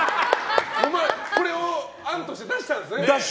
これを案として出したんですね。